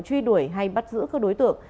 truy đuổi hay bắt giữ các đối tượng